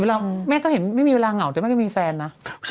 แต่เวลาแม่ก็เห็นไม่มีเวลาเหงาแต่ไม่เคยมีแฟนนะ